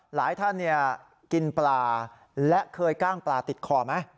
หลายท่านกินปลาและเคยกล้างปลาติดคอไหม